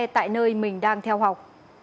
tại nơi mình đang theo học